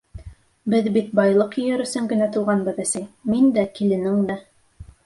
— Беҙ бит байлыҡ йыйыр өсөн генә тыуғанбыҙ, әсәй, мин дә, киленең дә.